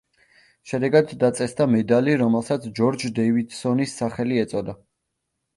შედეგად დაწესდა მედალი, რომელსაც ჯორჯ დევიდსონის სახელი ეწოდა.